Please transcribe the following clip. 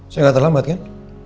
saya gak terlambat kan